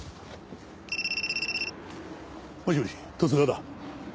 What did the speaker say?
もしもし十津川だ。